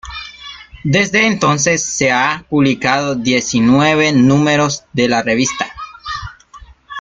Desde entonces se han publicado diecinueve números de la revista.